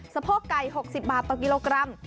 โพกไก่๖๐บาทต่อกิโลกรัม